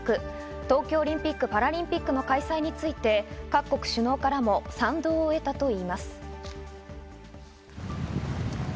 東京オリンピック・パラリンピックの開催について各国首脳からも賛同を得たといいます。